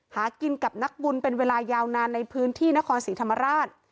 หากินกับนักบุญเป็นเวลายาวนานในพื้นที่นครศรีธรรมราช